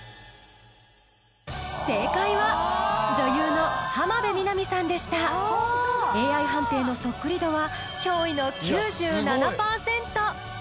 正解は女優の浜辺美波さんでしたＡＩ判定のそっくり度は驚異の９７％